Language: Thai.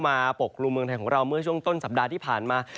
ปกกลุ่มเมืองไทยของเราเมื่อช่วงต้นสัปดาห์ที่ผ่านมา